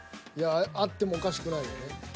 あってもおかしくないよね。